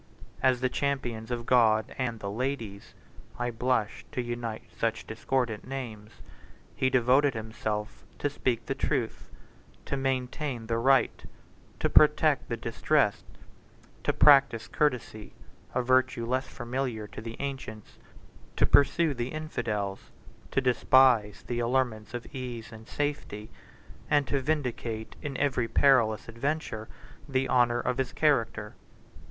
As the champion of God and the ladies, (I blush to unite such discordant names,) he devoted himself to speak the truth; to maintain the right; to protect the distressed; to practise courtesy, a virtue less familiar to the ancients; to pursue the infidels; to despise the allurements of ease and safety; and to vindicate in every perilous adventure the honor of his character.